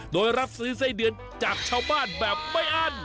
โดยรับซื้อไส้เดือนจากชาวบ้านแบบไม่อั้น